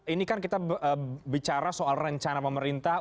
ini kan kita bicara soal rencana pemerintah